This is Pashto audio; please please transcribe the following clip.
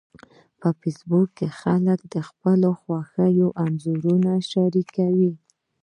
په فېسبوک کې خلک د خپلو خوښیو انځورونه شریکوي